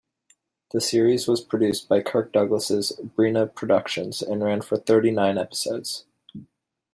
The series was produced by Kirk Douglas' Bryna Productions and ran for thirty-nine episodes.